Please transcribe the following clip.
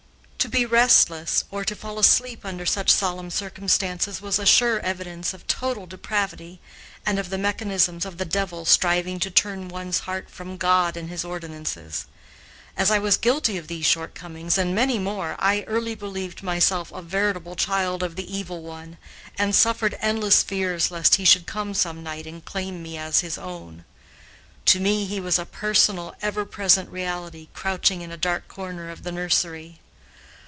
To be restless, or to fall asleep under such solemn circumstances was a sure evidence of total depravity, and of the machinations of the devil striving to turn one's heart from God and his ordinances. As I was guilty of these shortcomings and many more, I early believed myself a veritable child of the Evil One, and suffered endless fears lest he should come some night and claim me as his own. To me he was a personal, ever present reality, crouching in a dark corner of the nursery.